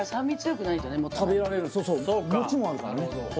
食べられるそうそうもちもあるからね